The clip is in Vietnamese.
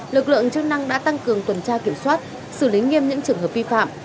lực lượng chức năng đã tăng cường tuần tra kiểm soát xử lý nghiêm những trường hợp vi phạm